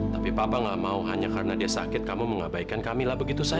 wajar aja kalau kamu mencintai alina